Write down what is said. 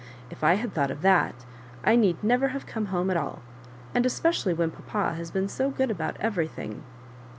" If I had thought of that, I need never have come home at all, and es pecially when papa has been so good about everything."